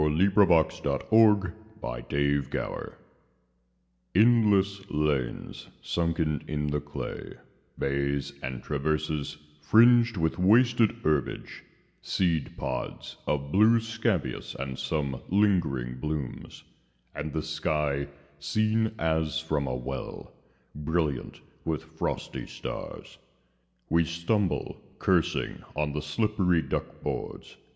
Frederic Manning THE TRENCHES ENDLESS lanes sunken in the clay, Bays, and traverses, fringed with wasted herbage, Seed pods of blue scabious, and some lingering blooms ; And the sky, seen as from a well, Brilliant with frosty stars. We stumble, cursing, on the slippery duck boards.